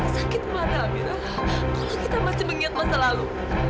sakit mana amira kalau kita masih mengingat masa lalu